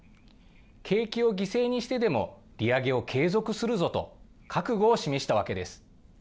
景気を犠牲にしてでも利上げを継続するぞと、覚悟を示したわけです。